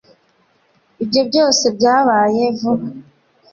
ibyo byose byabaye vuba